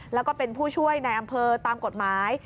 แล้วก็เป็นผู้ช่วยในอำเภอตามกฎหมาย